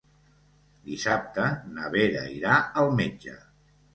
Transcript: Dissabte na Vera irà al metge.